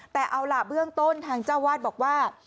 แต่เอาล่ะเบื้องต้นทางเจ้าวาดบอกว่า